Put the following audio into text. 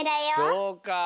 そうか！